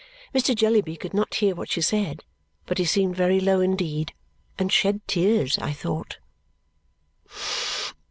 Mr. Jellyby could not hear what she said, but he seemed very low indeed and shed tears, I thought.